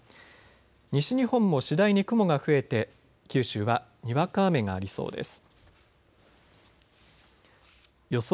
西日本も次第に雲が増えて九州はにわか雨がありそうです。